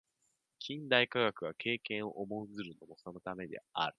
近代科学が経験を重んずるのもそのためである。